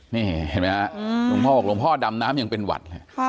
นี่เห็นมั้ยครับหลวงพ่อดำน้ำอย่างเป็นหวัด